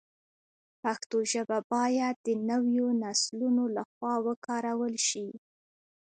پښتو ژبه باید د نویو نسلونو له خوا وکارول شي.